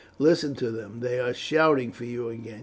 Listen to them; they are shouting for you again.